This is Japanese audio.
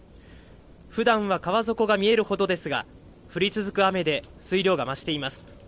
ふだんは川底が見えるほどですが降り続く雨で水量が増しています。